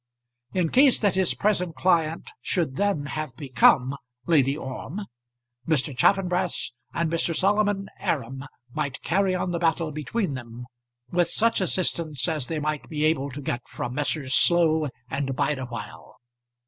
In case that his present client should then have become Lady Orme, Mr. Chaffanbrass and Mr. Solomon Aram might carry on the battle between them, with such assistance as they might be able to get from Messrs. Slow and Bideawhile.